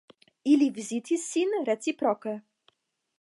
Ili vizitis sin reciproke.